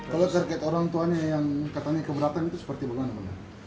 kalau terkait orang tuanya yang katanya keberatan itu seperti bagaimana pak